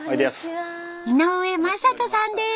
井上匡人さんです。